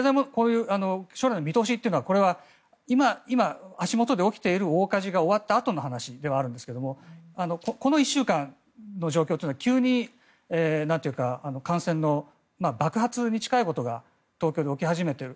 将来の見通しというのは今、足元で起きている大火事が終わったあとの話なんですがこの１週間の状況というのは急に感染の爆発に近いことが東京で起き始めている。